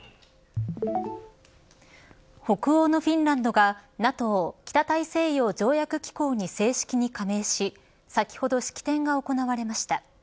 北欧のフィンランドがＮＡＴＯ北大西洋条約機構に正式に加盟し先ほど、式典が行われました。